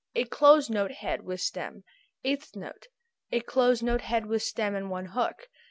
A closed note head with stem. [symbol] Eighth note. A closed note head with stem and one hook.